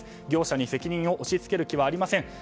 業者に責任を押し付ける気はありません。